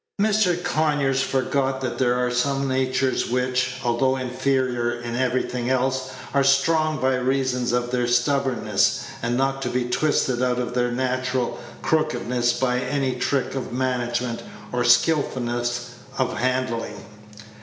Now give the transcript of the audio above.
Mr. Conyers forgot that there are some natures which, although inferior in everything else, are strong by reason of their stubbornness, and not to be twisted out of their natural crookedness by any trick of management or skilfulness of handling.